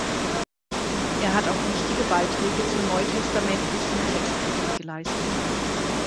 Er hat auch wichtige Beiträge zur neutestamentlichen Textkritik geleistet.